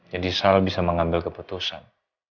jadi sal bisa mengambil keputusan